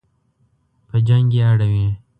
په جنګ یې اړوي.